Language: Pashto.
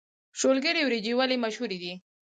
شولګرې وريجې ولې مشهورې دي؟